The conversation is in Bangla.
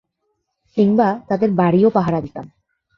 কিংবা, তাদের বাড়িও পাহারা দিতাম।